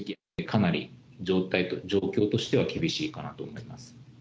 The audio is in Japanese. かなり状況としては厳しいかなと思います。